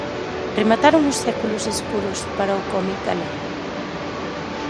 Remataron os séculos escuros para o cómic galego?